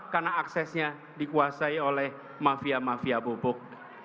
karena aksesnya dikuasai oleh mafia mafia pupuk